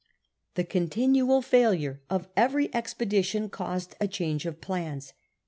The continual failure of every expedition caused a change of plans.